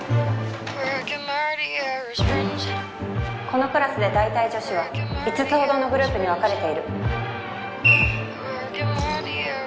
このクラスで大体女子は五つほどのグループに分かれている。